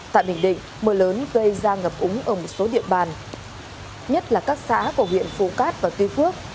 tại bình định mưa lớn gây ra ngập úng ở một số địa bàn nhất là các xã của huyện phù cát và tuy phước